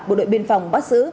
bộ đội biên phòng bắt giữ